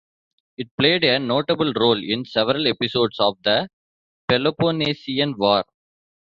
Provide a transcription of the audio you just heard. It played a notable role in several episodes of the Peloponnesian War.